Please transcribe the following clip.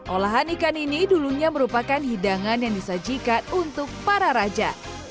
olahan ikan ini dulunya merupakan hidangan yang disajikan untuk para raja